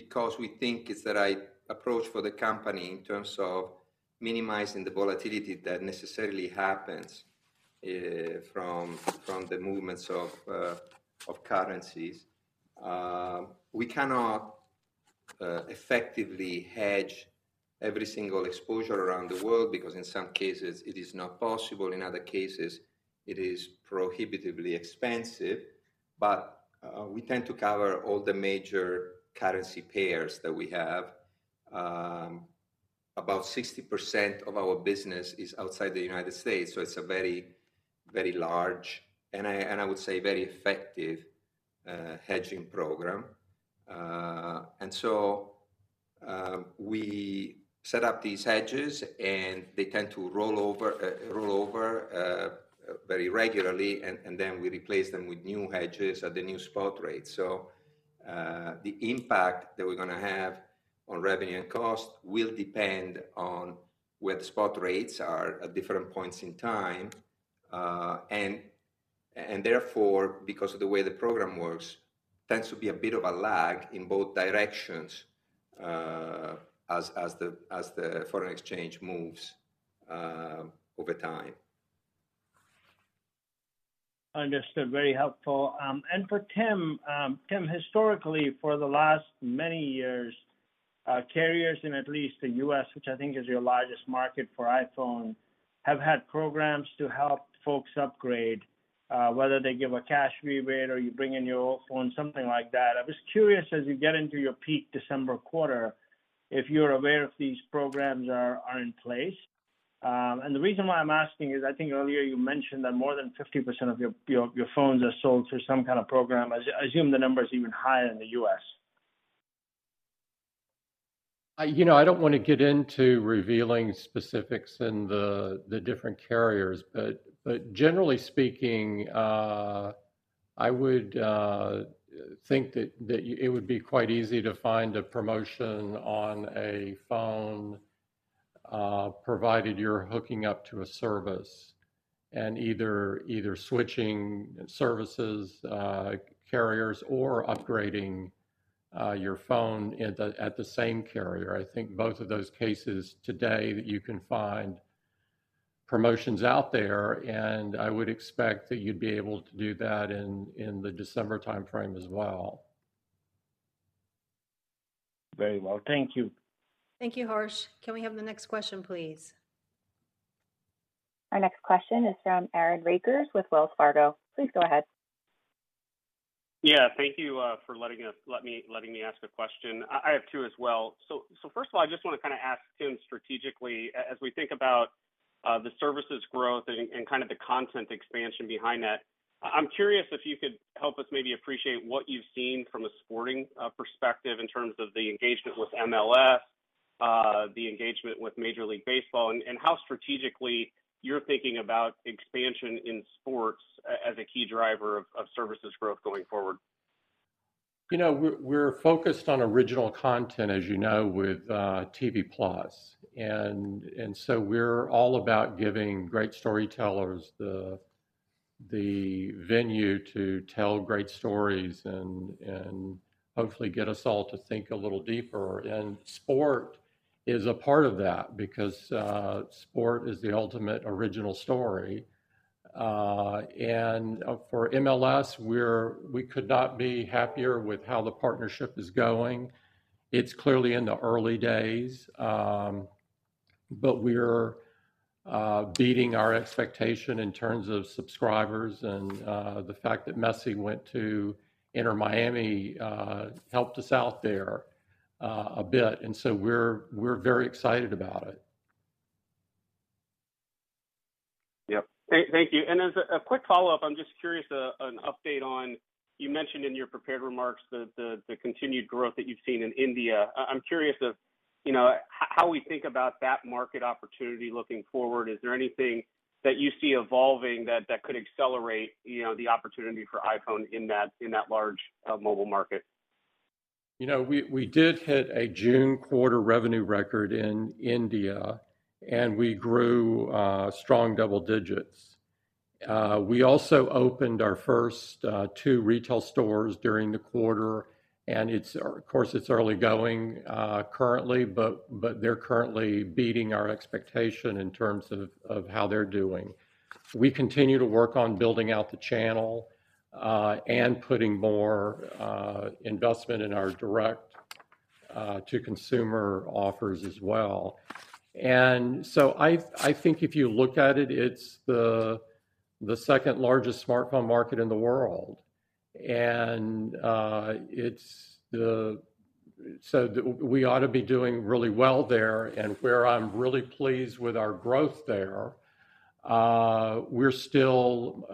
[SPEAKER 4] because we think it's the right approach for the company in terms of minimizing the volatility that necessarily happens, from, from the movements of currencies. We cannot effectively hedge every single exposure around the world because in some cases it is not possible, in other cases, it is prohibitively expensive. We tend to cover all the major currency pairs that we have. About 60% of our business is outside the United States, so it's a very, very large, and I, and I would say, very effective hedging program. So we set up these hedges, and they tend to roll over, roll over very regularly, and then we replace them with new hedges at the new spot rate. The impact that we're gonna have on revenue and cost will depend on where the spot rates are at different points in time. Therefore, because of the way the program works, tends to be a bit of a lag in both directions, as the foreign exchange moves over time.
[SPEAKER 12] Understood. Very helpful. For Tim, Tim, historically, for the last many years, carriers in at least the U.S., which I think is your largest market for iPhone, have had programs to help folks upgrade, whether they give a cash rebate or you bring in your old phone, something like that. I'm just curious, as you get into your peak December quarter, if you're aware if these programs are, are in place? The reason why I'm asking is, I think earlier you mentioned that more than 50% of your, your, your phones are sold through some kind of program. I assume the number is even higher in the U.S.
[SPEAKER 3] You know, I don't want to get into revealing specifics and the, the different carriers, but, but generally speaking, I would think that, that it would be quite easy to find a promotion on a phone, provided you're hooking up to a service and either, either switching services, carriers or upgrading, your phone at the, at the same carrier. I think both of those cases today, that you can find promotions out there, and I would expect that you'd be able to do that in, in the December timeframe as well.
[SPEAKER 12] Very well. Thank you.
[SPEAKER 6] Thank you, Harsh. Can we have the next question, please?
[SPEAKER 1] Our next question is from Aaron Rakers with Wells Fargo. Please go ahead.
[SPEAKER 13] Yeah, thank you, for letting us, letting me, letting me ask a question. I have two as well. So, so first of all, I just want to kind of ask Tim, strategically, as we think about, the services growth and, and kind of the content expansion behind that, I'm curious if you could help us maybe appreciate what you've seen from a sporting, perspective in terms of the engagement with MLS?... the engagement with Major League Baseball, and, and how strategically you're thinking about expansion in sports as a key driver of, of services growth going forward?
[SPEAKER 3] You know, we're, we're focused on original content, as you know, with TV Plus. So we're all about giving great storytellers the, the venue to tell great stories and, and hopefully get us all to think a little deeper. Sport is a part of that because sport is the ultimate original story. For MLS, we could not be happier with how the partnership is going. It's clearly in the early days, but we're beating our expectation in terms of subscribers and the fact that Messi went to Inter Miami helped us out there a bit. So we're, we're very excited about it.
[SPEAKER 13] Yep. Thank, thank you. As a quick follow-up, I'm just curious, an update on. You mentioned in your prepared remarks the continued growth that you've seen in India. I'm curious of, you know, how we think about that market opportunity looking forward? Is there anything that you see evolving that could accelerate, you know, the opportunity for iPhone in that large mobile market?
[SPEAKER 3] You know, we did hit a June quarter revenue record in India, and we grew strong double digits. We also opened our first two retail stores during the quarter, and it's, of course, early going currently, but they're currently beating our expectation in terms of how they're doing. We continue to work on building out the channel, and putting more investment in our direct to consumer offers as well. So I think if you look at it, it's the second largest smartphone market in the world, and we ought to be doing really well there. where I'm really pleased with our growth there, we still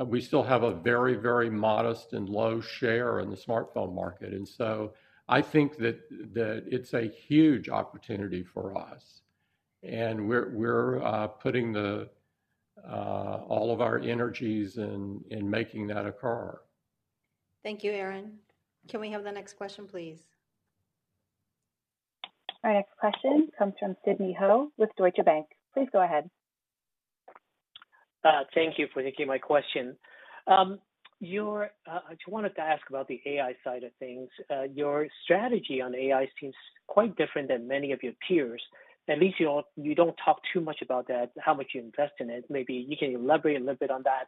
[SPEAKER 3] have a very, very modest and low share in the smartphone market, and so I think that, that it's a huge opportunity for us, and we're, we're, putting the, all of our energies in, in making that occur.
[SPEAKER 6] Thank you, Aaron. Can we have the next question, please?
[SPEAKER 1] Our next question comes from Sidney Ho with Deutsche Bank. Please go ahead.
[SPEAKER 14] Thank you for taking my question. I just wanted to ask about the AI side of things. Your strategy on AI seems quite different than many of your peers. At least you don't talk too much about that, how much you invest in it. Maybe you can elaborate a little bit on that.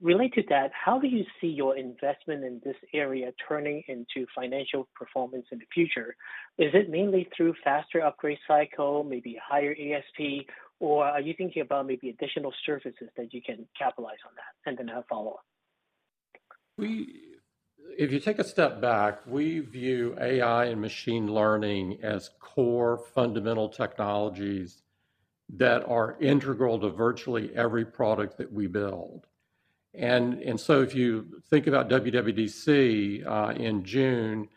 [SPEAKER 14] Related to that, how do you see your investment in this area turning into financial performance in the future? Is it mainly through faster upgrade cycle, maybe higher ASP, or are you thinking about maybe additional services that you can capitalize on that? Then I have a follow-up.
[SPEAKER 3] If you take a step back, we view AI and machine learning as core fundamental technologies that are integral to virtually every product that we build. So if you think about WWDC in June,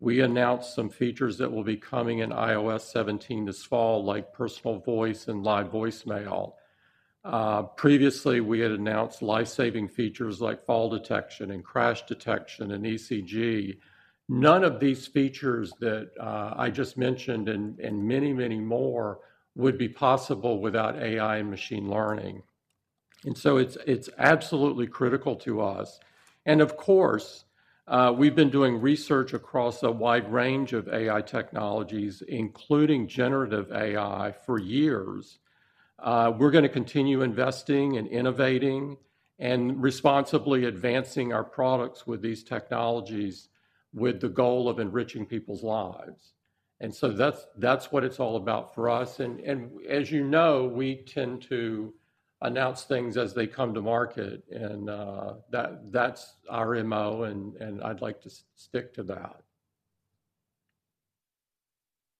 [SPEAKER 3] we announced some features that will be coming in iOS 17 this fall, like Personal Voice and Live Voicemail. Previously, we had announced life-saving features like Fall Detection and Crash Detection and ECG. None of these features that I just mentioned, and many, many more, would be possible without AI and machine learning, so it's absolutely critical to us. Of course, we've been doing research across a wide range of AI technologies, including generative AI, for years. We're gonna continue investing and innovating and responsibly advancing our products with these technologies, with the goal of enriching people's lives, so that's, that's what it's all about for us. As you know, we tend to announce things as they come to market, and that, that's our MO, and I'd like to stick to that.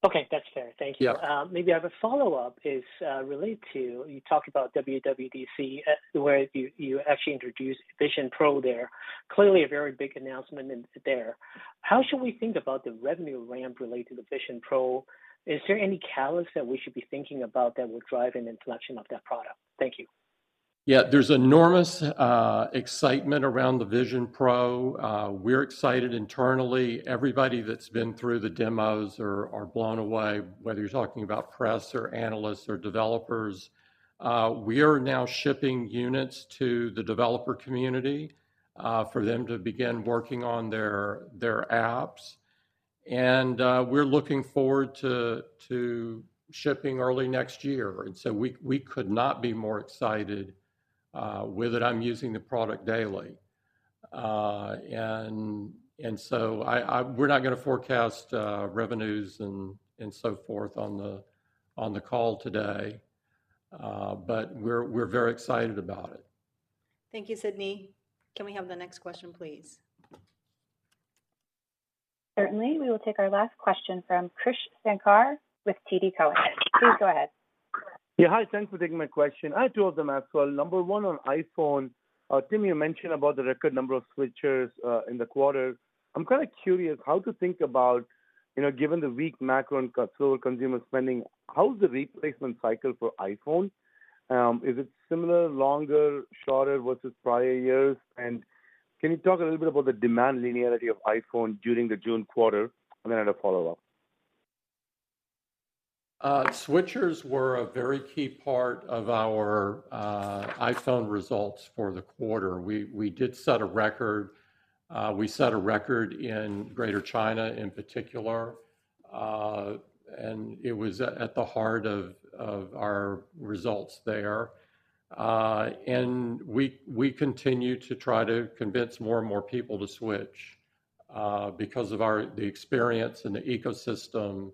[SPEAKER 14] Okay. That's fair. Thank you.
[SPEAKER 3] Yeah.
[SPEAKER 14] Maybe I have a follow-up, is related to you talked about WWDC, where you actually introduced Vision Pro there. Clearly a very big announcement in there. How should we think about the revenue ramp related to the Vision Pro? Is there any catalyst that we should be thinking about that will drive an introduction of that product? Thank you.
[SPEAKER 3] Yeah, there's enormous excitement around the Vision Pro. We're excited internally. Everybody that's been through the demos are, are blown away, whether you're talking about press or analysts or developers. We are now shipping units to the developer community for them to begin working on their apps, and we're looking forward to shipping early next year. We could not be more excited. With it, I'm using the product daily. We're not gonna forecast revenues and, and so forth on the call today, but we're very excited about it.
[SPEAKER 6] Thank you, Sidney. Can we have the next question, please?
[SPEAKER 1] Certainly. We will take our last question from Krish Sankar with TD Cowen. Please go ahead.
[SPEAKER 15] Yeah, hi. Thanks for taking my question. I have two of them as well. Number one, on iPhone, Tim, you mentioned about the record number of switchers in the quarter. I'm kind of curious how to think about, you know, given the weak macro and consumer spending, how's the replacement cycle for iPhone? Is it similar, longer, shorter versus prior years? Can you talk a little bit about the demand linearity of iPhone during the June quarter? Then I had a follow-up.
[SPEAKER 3] Switchers were a very key part of our iPhone results for the quarter. We, we did set a record, we set a record in Greater China in particular, and it was at, at the heart of our results there. We, we continue to try to convince more and more people to switch because of our -- the experience and the ecosystem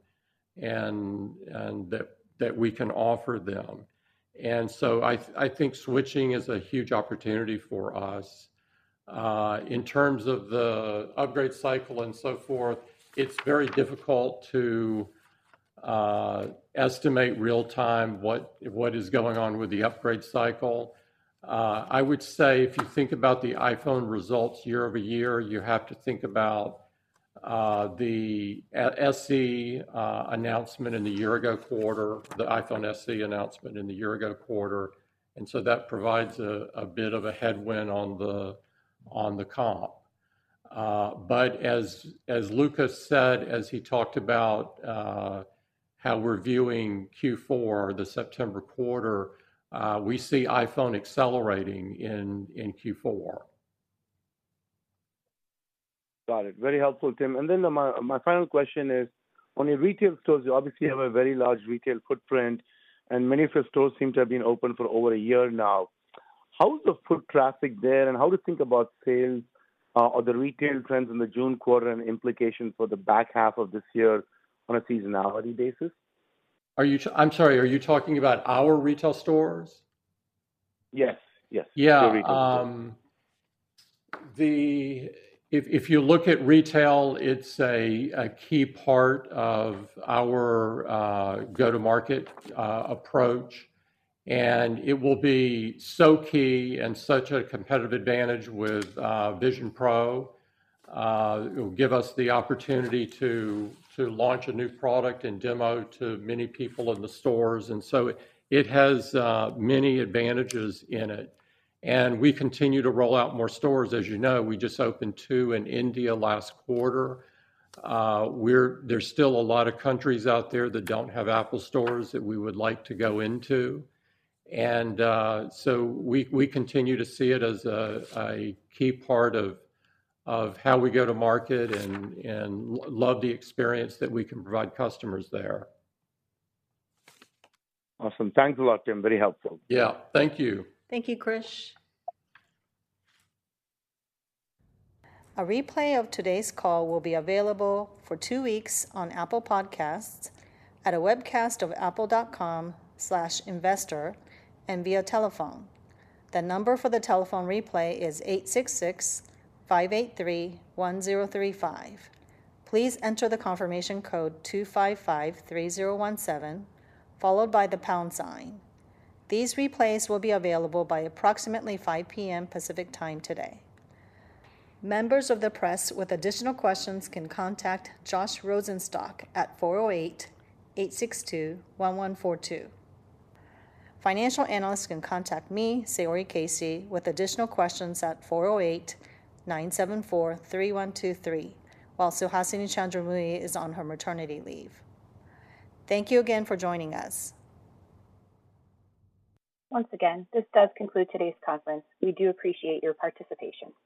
[SPEAKER 3] and that, that we can offer them. So I, I think switching is a huge opportunity for us. In terms of the upgrade cycle and so forth, it's very difficult to estimate real time what, what is going on with the upgrade cycle. I would say if you think about the iPhone results year-over-year, you have to think about the SE announcement in the year ago quarter, the iPhone SE announcement in the year ago quarter, and so that provides a, a bit of a headwind on the, on the comp. As, as Luca said, as he talked about how we're viewing Q4, the September quarter, we see iPhone accelerating in, in Q4.
[SPEAKER 15] Got it. Very helpful, Tim. My, my final question is on your retail stores, you obviously have a very large retail footprint, and many of your stores seem to have been open for over a year now. How is the foot traffic there, and how to think about sales, or the retail trends in the June quarter and implication for the back half of this year on a seasonality basis?
[SPEAKER 3] Are you I'm sorry, are you talking about our retail stores?
[SPEAKER 15] Yes. Yes.
[SPEAKER 3] Yeah.
[SPEAKER 15] Your retail stores.
[SPEAKER 3] If you look at retail, it's a key part of our go-to-market approach, and it will be so key and such a competitive advantage with Vision Pro. It will give us the opportunity to, to launch a new product and demo to many people in the stores, and so it has many advantages in it, and we continue to roll out more stores. As you know, we just opened two in India last quarter. There's still a lot of countries out there that don't have Apple Stores that we would like to go into. So we, we continue to see it as a key part of, of how we go to market and love the experience that we can provide customers there.
[SPEAKER 15] Awesome. Thanks a lot, Tim. Very helpful.
[SPEAKER 3] Yeah. Thank you.
[SPEAKER 2] Thank you, Krish. A replay of today's call will be available for two weeks on Apple Podcasts, at a webcast of apple.com/investor, and via telephone. The number for the telephone replay is 866-583-1035. Please enter the confirmation code 2553017, followed by the pound sign. These replays will be available by approximately 5:00 P.M. Pacific Time today. Members of the press with additional questions can contact Josh Rosenstock at 408-862-1142. Financial analysts can contact me, Saori Casey, with additional questions at 408-974-3123, while Suhasini Chandramouli is on her maternity leave. Thank you again for joining us.
[SPEAKER 1] Once again, this does conclude today's conference. We do appreciate your participation.